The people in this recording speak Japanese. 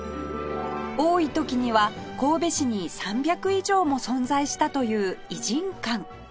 多い時には神戸市に３００以上も存在したという異人館